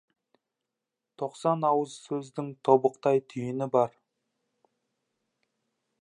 Тоқсан ауыз сөздің тобықтай түйіні бар.